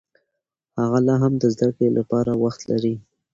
هغه لا هم د زده کړې لپاره وخت لري.